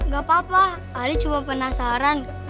gak apa apa anda cuma penasaran